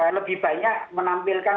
lebih banyak menampilkan